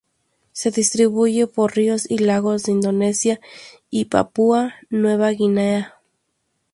Se distribuye por ríos y lagos de Indonesia y Papúa Nueva Guinea.